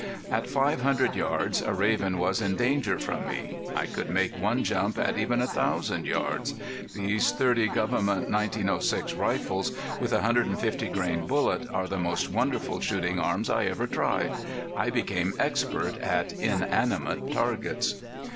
At five hundred yards a raven was in danger from me. I could make one jump at even a thousand yards. These .30 Gov't 1906 rifles with 150 grain bullet are the most wonderful shooting arms I ever tried. I became expert at inanimate targets.